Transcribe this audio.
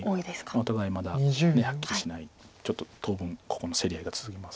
お互いまだはっきりしないちょっと当分ここの競り合いが続きます。